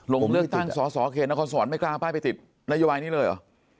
ลงเลือกตั้งสอสอเขตนครสวรรค์ไม่กล้าป้ายไปติดนโยบายนี้เลยเหรอ